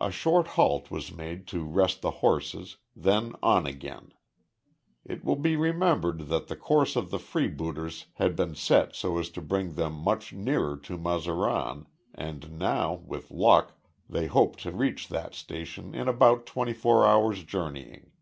A short halt was made to rest the horses, then on again. It will be remembered that the course of the freebooters had been set so as to bring them much nearer to Mazaran, and now with luck, they hoped to reach that station in about twenty four hours' journeying.